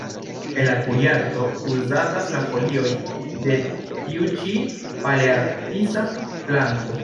En la kuirarto uzatas la folioj de tiu ĉi palearktisa planto.